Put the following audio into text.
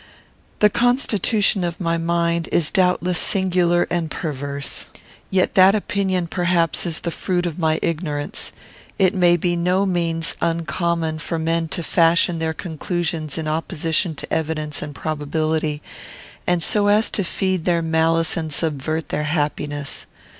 The constitution of my mind is doubtless singular and perverse; yet that opinion, perhaps, is the fruit of my ignorance. It may by no means be uncommon for men to fashion their conclusions in opposition to evidence and probability, and so as to feed their malice and subvert their happiness.